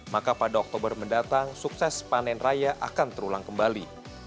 maka pada oktober mendatang sukses panen raya akan terulang kembali